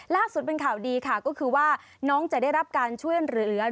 ล่าสุดเป็นข่าวดีค่ะก็คือว่าน้องจะได้รับการช่วยเหลือ